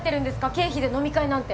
経費で飲み会なんて。